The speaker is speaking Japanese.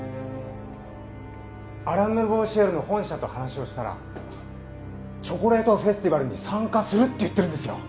アラン・ヌーボー・シエルの本社と話をしたらチョコレートフェスティバルに参加するって言ってるんですよ。